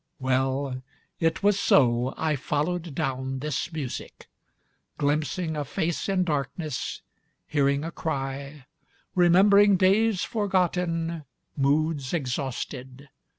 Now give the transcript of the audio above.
Well, it was so I followed down this music, Glimpsing a face in darkness, hearing a cry, Remembering days forgotten, moods exhausted.